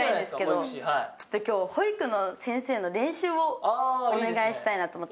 ちょっと今日保育の先生の練習をお願いしたいなと思って。